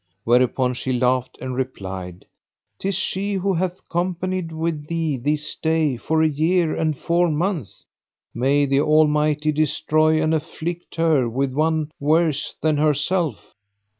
Whereupon she laughed and replied, " 'Tis she who hath companied with thee this day for a year and four months (may the Almighty destroy and afflict her with one worse than herself!)